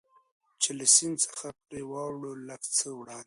چې له سیند څخه پرې واوړو، لږ څه وړاندې.